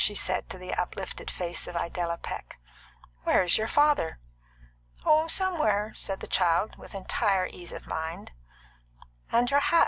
she said to the uplifted face of Idella Peck. "Where is your father?" "Oh, somewhere," said the child, with entire ease of mind. "And your hat?"